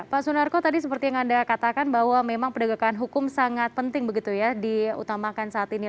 pak sunarko tadi seperti yang anda katakan bahwa memang penegakan hukum sangat penting begitu ya diutamakan saat ini